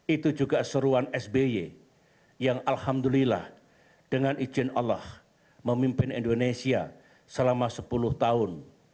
itu juga seruan sby yang alhamdulillah dengan izin allah memimpin indonesia selama sepuluh tahun